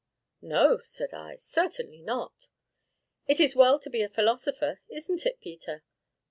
"No," said I; "certainly not!" "It is well to be a philosopher, isn't it, Peter?"